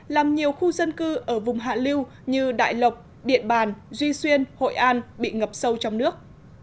làm nhiều khu dân cư ở vùng hạ lưu như đại lộc điện bàn duy xuyên hội an bị ngập sâu trong nước